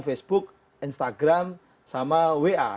facebook instagram sama wa